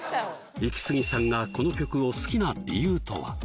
イキスギさんがこの曲を好きな理由とは？